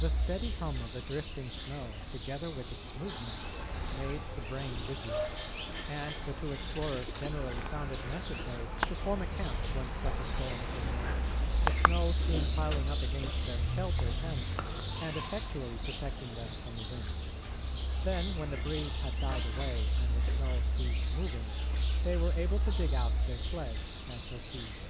The steady hum of the drifting snow, together with its movement, made the brain dizzy, and the two explorers generally found it necessary to form a camp when such a storm came on, the snow soon piling up against their shelter tent and effectually protecting them from the wind. Then, when the breeze had died away and the snow ceased moving, they were able to dig out their sledge and proceed.